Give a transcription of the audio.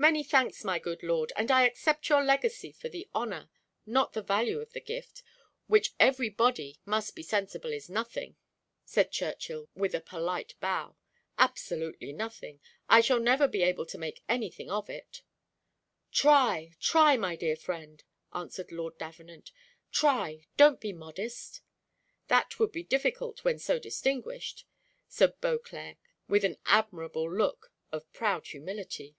"Many thanks, my good lord; and I accept your legacy for the honour not the value of the gift, which every body must be sensible is nothing," said Churchill, with a polite bow "absolutely nothing. I shall never be able to make anything of it." "Try try, my dear friend," answered Lord Davenant. "Try, don't be modest." "That would be difficult when so distinguished," said Beauclerc, with an admirable look of proud humility.